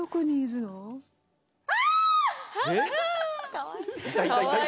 かわいい。